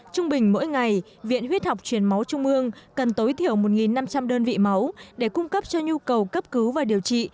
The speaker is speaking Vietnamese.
trung bình mỗi ngày viện huyết học truyền máu trung ương cần tối thiểu một năm trăm linh đơn vị máu để cung cấp cho nhu cầu cấp cứu và điều trị